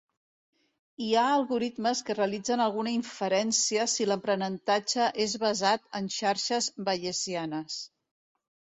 Hi ha algoritmes que realitzen alguna inferència si l'aprenentatge és basat en xarxes bayesianes.